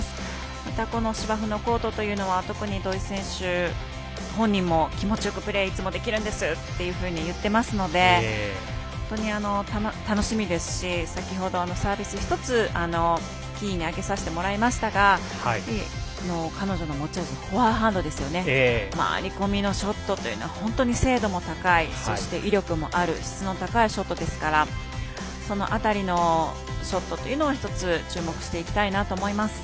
また芝生のコートというのは土居選手本人も気持ちよくプレーいつもできるんですというふうに言ってますので楽しみですし先ほどサービス１つキーに挙げさせてもらいましたが彼女の持ち味フォアハンド回り込みのショットというのは精度も高い、威力もある質の高いショットですからその辺りのショットというのを１つ注目していきたいなと思います。